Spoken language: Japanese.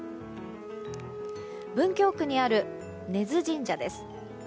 文京区にある根津神社です。